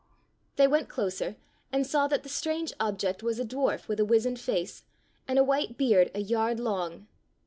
They went closer and saw that the strange object was a dwarf with a wizened face, and a white beard a yard long.